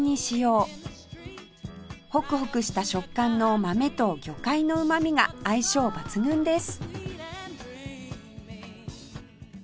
ほくほくした食感の豆と魚介のうまみが相性抜群です